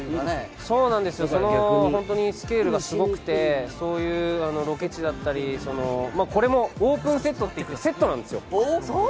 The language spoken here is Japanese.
本当にスケールがすごくてそういうロケ地だったりこれもオープンセットといって、セットなんですよ。